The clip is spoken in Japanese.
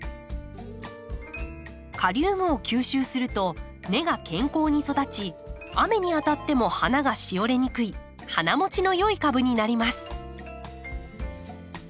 カリウムを吸収すると根が健康に育ち雨に当たっても花がしおれにくい花もちの良い株になります。